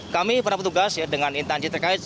kami para petugas dengan intan citra kait